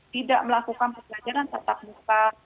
tidak melakukan pembelajaran tetap muka